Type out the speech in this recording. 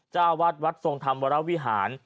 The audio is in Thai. เจ้าวัดวัดทรงธรรมวรวิหาร